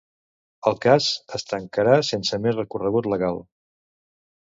El cas es tancarà sense més recorregut legal.